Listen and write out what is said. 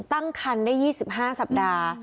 ตั้งคันได้๒๕สัปดาห์